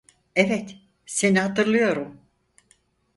Evet, seni hatırlıyorum.